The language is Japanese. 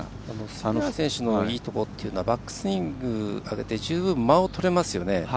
杉原選手のいいところはバックスイング上げて十分間をとれますよね。